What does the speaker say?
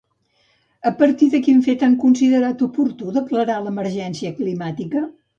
A partir de quin fet han considerat oportú declarar l'emergència climàtica?